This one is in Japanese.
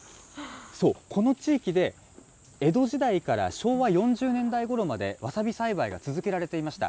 そう、この地域で江戸時代から昭和４０年代ごろまでわさび栽培が続けられていました。